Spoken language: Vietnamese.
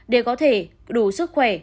để có thể đủ sức khỏe